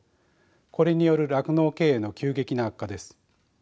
これによる酪農経営の急激な悪化です。